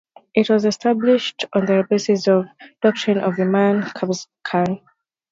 It was established on the basis of doctrine of Imam Ahmed Raza Khan.